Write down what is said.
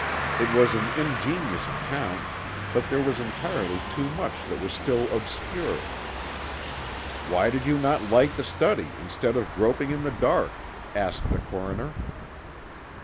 It was an ingenious account but there was entirely too much that was still obscure. "Why did you not light the study instead of groping in the dark?" asked the coroner.